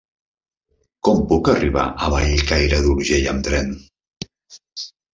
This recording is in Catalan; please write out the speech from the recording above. Com puc arribar a Bellcaire d'Urgell amb tren?